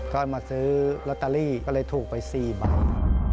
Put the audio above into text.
ก็มาซื้อลอตเตอรี่ก็เลยถูกไป๔ใบ